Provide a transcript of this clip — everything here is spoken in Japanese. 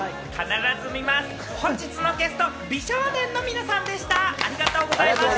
本日のゲスト、美少年の皆さんでした。